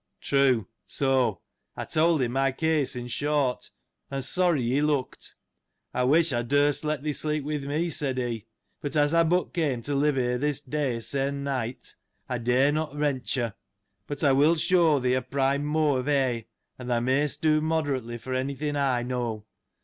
— True, so, I told him my case, in short, and sorry he looked. I wish I durst let thee sleep with me, said he ; but as I but came to live here this day se'en night, I dare not venture. But, I will shew thee a prime motigh of hay, and thou mayst do moderately, for anything I know.